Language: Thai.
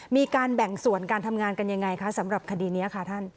มีการแบ่งส่วนการทำงานกันยังไงคะสำหรับคดีนี้ค่ะท่าน